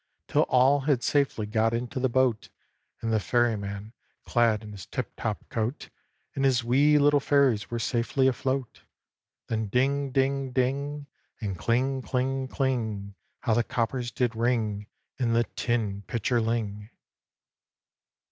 Till all had safely got into the boat, And the Ferryman, clad in his tip top coat, And his wee little Fairies were safely afloat! Then ding! ding! ding! And kling! kling! kling! How the coppers did ring In the tin pitcherling!